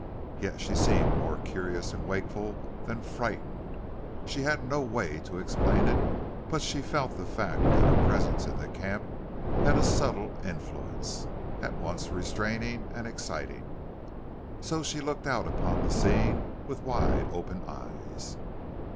Yet she seemed more curious and wakeful than frightened. She had no way to explain it, but she felt the fact that her presence in the camp had a subtle influence, at once restraining and exciting. So she looked out upon the scene with wide open eyes.